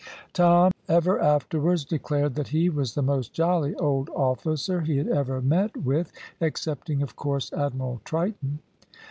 Tom ever afterwards declared that he was the most jolly old officer he had ever met with excepting, of course, Admiral Triton.